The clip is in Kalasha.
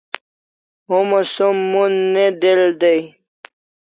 Homa som mon ne del dai